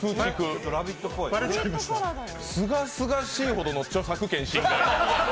すがすがしいほどの著作権侵害。